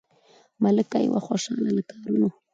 ملکه یې وه خوشاله له کارونو